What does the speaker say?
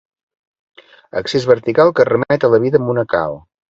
Accés vertical que remet a la vida monacal.